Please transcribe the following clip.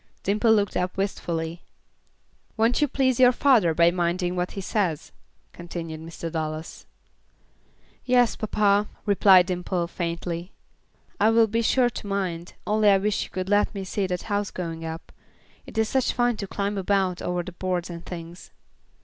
Dimple looked up wistfully. "Won't you please your father by minding what he says?" continued Mr. Dallas. "Yes, papa," replied Dimple, faintly, "I will be sure to mind, only I wish you could let me see the house going up. It is such fun to climb about over the boards and things."